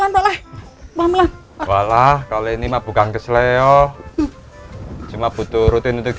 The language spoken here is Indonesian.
pelan pelan taklah malam malam walah kalau ini mah bukan kesel yo cuma butuh rutin untuk